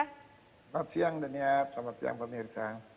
selamat siang dania selamat siang pak mirsa